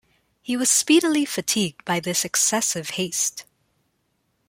He was speedily fatigued by this excessive haste.